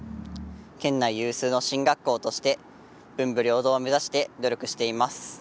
県内有数の進学校として文武両道を目指して努力しています。